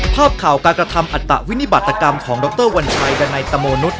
ภาพข่าวการกระทำอัตตวินิบัตกรรมของดรวัญชัยดันัยตะโมนุษย์